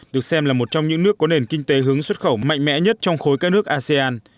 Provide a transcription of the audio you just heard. được xem là một trong những nước có nền kinh tế hướng xuất khẩu mạnh mẽ nhất trong khối các nước asean